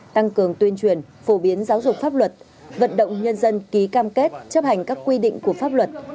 tăng cường tuyên truyền phổ biến giáo dục pháp luật vận động nhân dân ký cam kết chấp hành các quy định của pháp luật